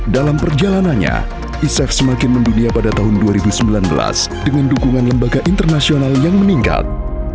dalam perjalanannya isef semakin mendunia pada tahun dua ribu sembilan belas dengan dukungan lembaga internasional yang meningkat